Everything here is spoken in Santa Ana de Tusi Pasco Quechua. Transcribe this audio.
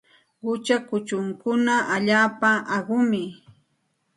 Qucha kuchunkuna allaapa uqumi.